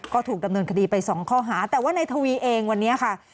ก็ถูกดำเนินคดีไปสองข้อหาแต่ว่าในทวีเองวันนี้ค่ะ